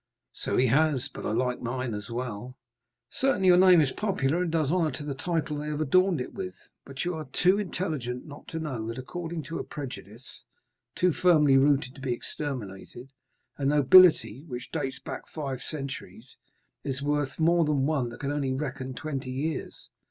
"So he has; but I like mine as well." "Certainly; your name is popular, and does honor to the title they have adorned it with; but you are too intelligent not to know that according to a prejudice, too firmly rooted to be exterminated, a nobility which dates back five centuries is worth more than one that can only reckon twenty years."